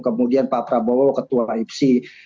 kemudian pak prabowo ketua ipc